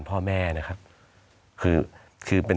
สวัสดีครับทุกคน